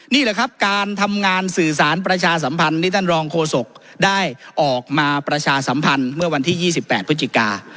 นี่แหละครับการทำงานสื่อสารประชาสัมพันธ์นี่ท่านรองโฆษกได้ออกมาประชาสัมพันธ์เมื่อวันที่๒๘พฤศจิกา